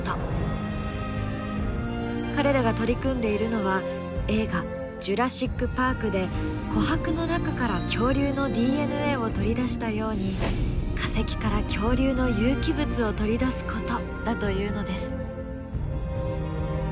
彼らが取り組んでいるのは映画「ジュラシック・パーク」で琥珀の中から恐竜のＤＮＡを取り出したように化石から恐竜の有機物を取り出すことだというのです。